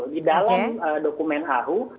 di dalam dokumen ahu